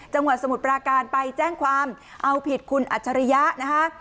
สมุทรปราการไปแจ้งความเอาผิดคุณอัจฉริยะนะคะ